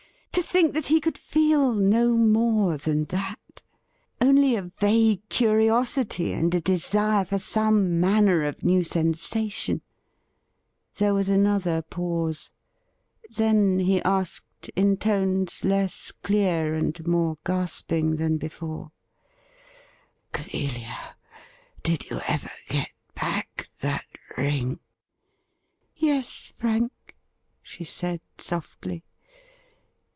To think that he could feel no more than that ! Only a vague curiosity and a desire for some manner of new sensation ! There was another pause. Then he asked, in tones less clear and more gasping than before :' Clelia, did you ever get back that ring .?'' Yes, Frank,' she said softly.